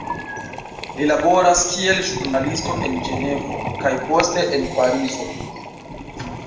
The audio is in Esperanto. Li laboras kiel ĵurnalisto en Ĝenevo kaj poste en Parizo.